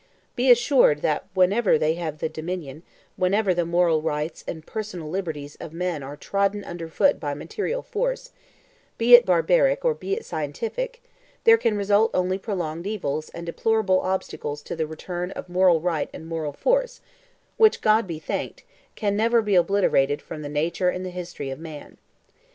Be assured that whenever they have the dominion, whenever the moral rights and personal liberties of men are trodden under foot by material force, be it barbaric or be it scientific, there can result only prolonged evils and deplorable obstacles to the return of moral right and moral force, which, God be thanked, can never he obliterated from the nature and the history of man.